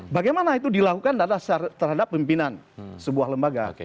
bagaimana itu dilakukan terhadap pimpinan sebuah lembaga